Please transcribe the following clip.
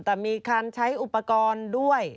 แต่มีการใช้อุปกรณ์ด้วย